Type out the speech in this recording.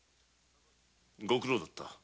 ご苦労だった。